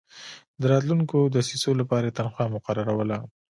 د راتلونکو دسیسو لپاره یې تنخوا مقرروله.